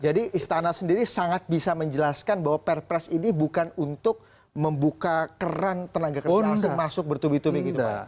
jadi istana sendiri sangat bisa menjelaskan bahwa perpres ini bukan untuk membuka keran tenaga kebiasaan masuk bertubi tubi gitu pak